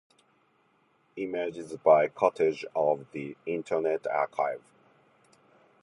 Images by courtesy of the Internet Archive.